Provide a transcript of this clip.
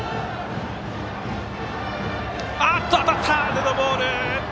デッドボール！